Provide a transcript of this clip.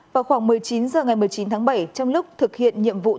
vào khoảng một mươi chín h ngày một mươi chín tháng bảy trong lúc thực hiện nhiệm vụ